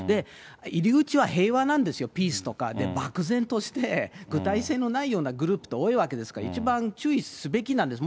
入り口は平和なんですよ、ピースとか、で、漠然として、具体性のないようなグループって多いわけですから、一番注意すべきなんです。